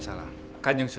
saya pangeran pusumo